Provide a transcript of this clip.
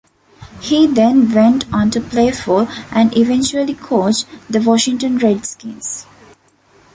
He then went on to play for, and eventually coach, the Washington Redskins.